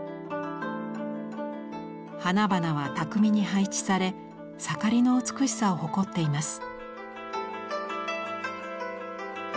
花々は巧みに配置され盛りの美しさを誇っています。